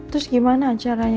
terus gimana caranya